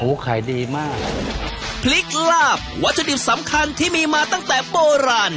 โอ้โหขายดีมากพริกลาบวัตถุดิบสำคัญที่มีมาตั้งแต่โบราณ